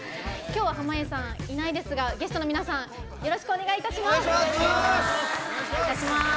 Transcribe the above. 濱家さん、いないですがゲストの皆さんよろしくお願いいたします。